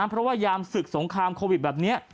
เพราะว่ายามศึกสงครามโควิดแบบนี้